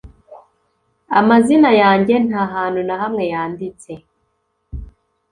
Amazina yanjye ntahantu na hamwe yanditse